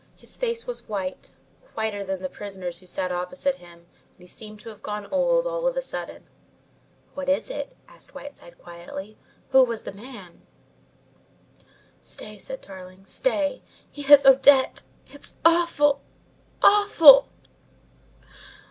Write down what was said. His face was white whiter than the prisoner's who sat opposite him, and he seemed to have gone old all of a sudden. "What is it?" asked Whiteside quietly. "Who was the man?" "Stay," said Tarling. "Stay. He has Odette! It's awful, awful!"